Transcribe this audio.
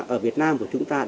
ở việt nam của chúng ta